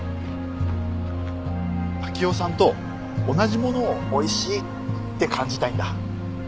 暁代さんと同じものをおいしいって感じたいんだ。